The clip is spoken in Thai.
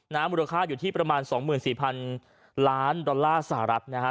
มูลค่าอยู่ที่ประมาณ๒๔๐๐๐ล้านดอลลาร์สหรัฐนะฮะ